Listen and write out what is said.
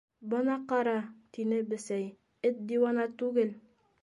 —Бына ҡара, —тине Бесәй, —эт диуана түгел.